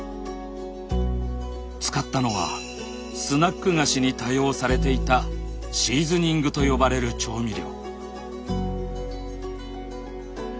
使ったのはスナック菓子に多用されていたシーズニングと呼ばれる調味料。